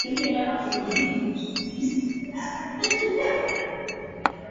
wadudu kuzaliana kwa kasi kubwa kwenye shamba lenye magugu